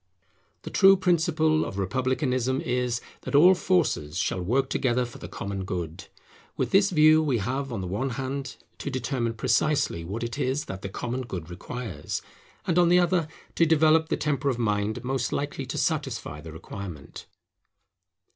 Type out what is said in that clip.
The true principle of republicanism is, that all forces shall work together for the common good. With this view we have on the one hand, to determine precisely what it is that the common good requires; and on the other, to develop the temper of mind most likely to satisfy the requirement.